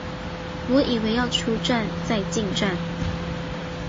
我以为要出站再进站